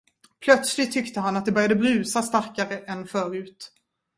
Plötsligt tyckte han, att det började brusa starkare än förut.